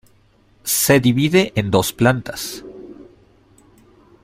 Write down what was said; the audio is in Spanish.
Se divide en dos plantas.